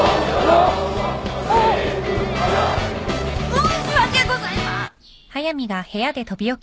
申し訳ございま。